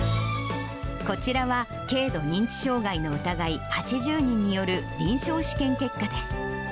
こちらは軽度認知障害の疑い８０人による臨床試験結果です。